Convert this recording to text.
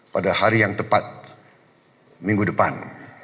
pada hari yang tepat minggu depan